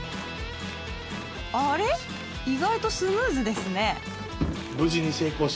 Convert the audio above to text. あれ意外とスムーズですね！